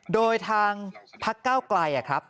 โดยทางพักก้าวไกล